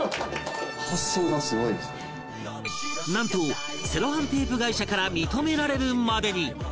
なんとセロハンテープ会社から認められるまでに